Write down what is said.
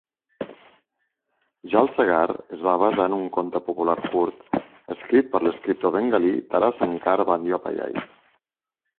Jalsaghar es va basar en un conte popular curt, escrit per l'escriptor bengalí Tarasankar Bandyopadhyay.